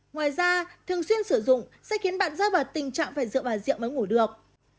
ngoài ra thường xuyên sử dụng sẽ khiến bạn rơi vào tình trạng phải dựa vào rượu mới ngủ được